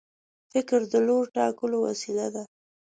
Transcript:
فکر د لور ټاکلو وسیله ده.